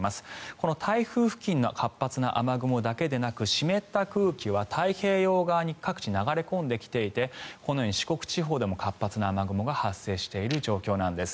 この台風付近の活発な雨雲だけでなく湿った空気は太平洋側に各地、流れ込んできていてこのように四国地方でも活発な雨雲が発生している状況なんです。